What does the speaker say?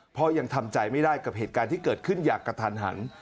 ยังทำใจไม่ได้กับเหตุการณ์ที่เกิดขึ้นอย่างกระทันหัน